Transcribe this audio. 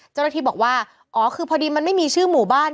เจ้าหน้าที่บอกว่าอ๋อคือพอดีมันไม่มีชื่อหมู่บ้าน